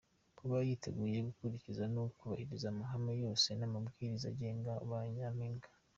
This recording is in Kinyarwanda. Kuba yiteguye gukurikiza no kubahiriza amahame yose n’amabwiriza agenga ba Nyampinga.